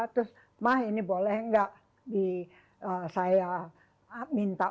terus ma ini boleh nggak di saya minta